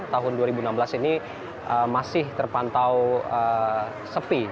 tahun dua ribu enam belas ini masih terpantau sepi